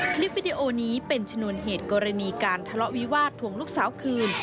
คลิปวิดีโอนี้เป็นชนวนเหตุกรณีการทะเลาะวิวาสทวงลูกสาวคืน